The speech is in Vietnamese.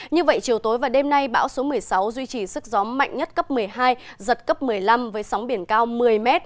như vậy chiều tối và đêm nay bão số một mươi sáu duy trì sức gió mạnh nhất cấp một mươi hai giật cấp một mươi năm với sóng biển cao một mươi m